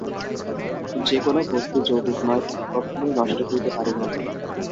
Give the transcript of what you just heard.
যে-কোন বস্তু যৌগিক নয়, তাহা কখনও নষ্ট হইতে পারে না।